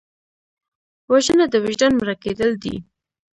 وژنه د وجدان مړه کېدل دي